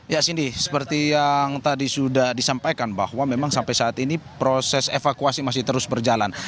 ya cindy seperti yang tadi sudah disampaikan bahwa memang sampai saat ini proses evakuasi masih terus berjalan